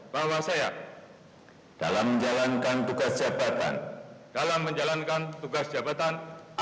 bahwa saya dalam menjalankan tugas jabatan